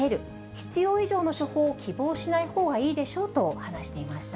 必要以上の処方を希望しないほうがいいでしょうと話していました。